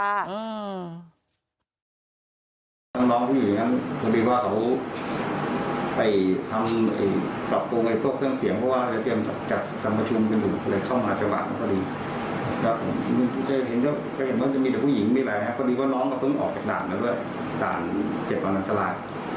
แล้วก็มีพวกเจ้าหน้าที่อะไรอยู่